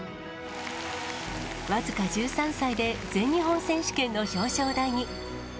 僅か１３歳で全日本選手権の表彰台に。